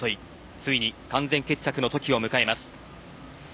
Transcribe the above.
ついに完全決着の時を迎えます。